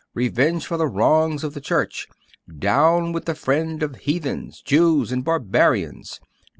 'Revenge for the wrongs of the Church!' 'Down with the friend of Heathens, Jews, and Barbarians!